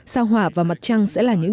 sao hỏa và mặt trăng sẽ là những